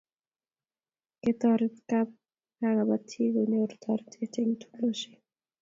Ketoret kapatik kunyor toretet eng' tulweshek